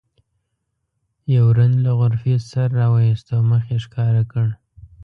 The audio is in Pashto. یو رند له غرفې سر راوویست او مخ یې ښکاره کړ.